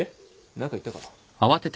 何か言ったか？